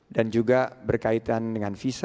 dan juga berkaitan dengan visa khususnya